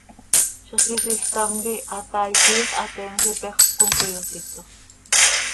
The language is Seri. Zixquisiil ctam quih hataai, tiix hateems ipexöp com cöiyositox.